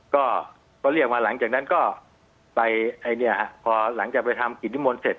ก็ก็เรียกว่าหลังจากนั้นก็ไปพอหลังจากไปทำกิจนิมอลเสร็จ